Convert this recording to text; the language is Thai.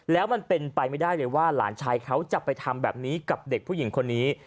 แล้วมันเป็นไปไม่ได้เลยว่าหลานชายเขาจะไปทำแบบนี้กับเด็กผู้หญิงคนนี้